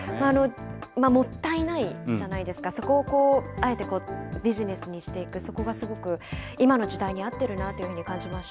もったいないじゃないですか、そこをあえてビジネスにしていく、そこがすごく今の時代に合ってるなというふうに感じました。